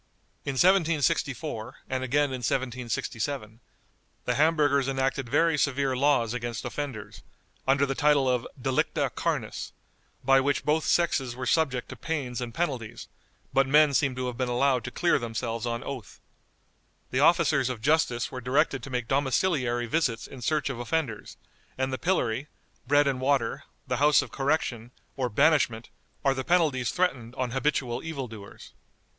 In 1764, and again in 1767, the Hamburgers enacted very severe laws against offenders, under the title of "delicta carnis," by which both sexes were subject to pains and penalties, but men seem to have been allowed to clear themselves on oath. The officers of justice were directed to make domiciliary visits in search of offenders, and the pillory, bread and water, the House of Correction, or banishment, are the penalties threatened on habitual evil doers.